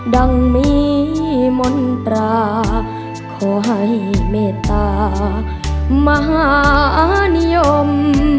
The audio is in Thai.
ดังมีมนตราขอให้เมตตามหานิยม